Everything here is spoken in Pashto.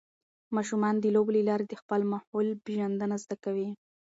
ماشومان د لوبو له لارې د خپل ماحول پېژندنه زده کوي.